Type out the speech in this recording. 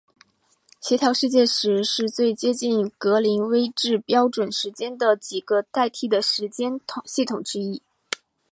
协调世界时是最接近格林威治标准时间的几个替代时间系统之一。